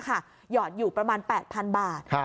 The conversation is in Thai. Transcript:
หยอดอยู่ประมาณ๘๐๐๐บาท